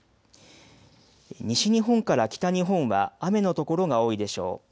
西日本から北日本は雨の所が多いでしょう。